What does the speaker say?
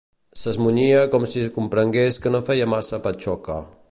S'esmunyia com si comprengués que no feia massa patxoca